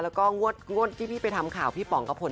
แล้วตอนนี้พี่ไปทำข่าวพี่ป๋องกะพล